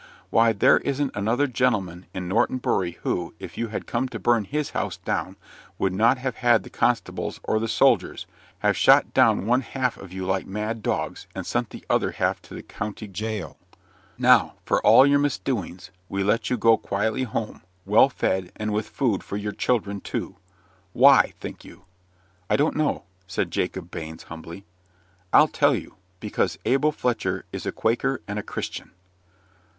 "Why, there isn't another gentleman in Norton Bury, who, if you had come to burn HIS house down, would not have had the constables or the soldiers, have shot down one half of you like mad dogs, and sent the other half to the county gaol. Now, for all your misdoings, we let you go quietly home, well fed, and with food for children, too. WHY, think you?" "I don't know," said Jacob Baines, humbly. "I'll tell you. Because Abel Fletcher is a Quaker and a Christian."